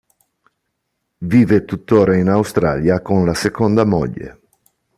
Vive tuttora in Australia con la seconda moglie.